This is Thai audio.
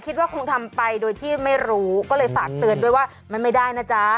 คิดว่าคงทำไปโดยที่ไม่รู้ก็เลยฝากเตือนด้วยว่ามันไม่ได้นะจ๊ะ